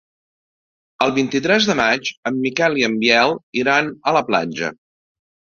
El vint-i-tres de maig en Miquel i en Biel iran a la platja.